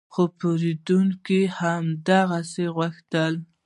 خو پیرودونکي همداسې غوښتل